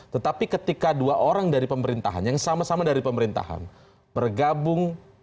tetapi ketika dua orang dari pemerintahan yang sama sama dari pemerintahan bergabung